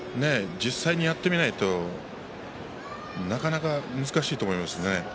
実際にやってみないとなかなか難しいですね。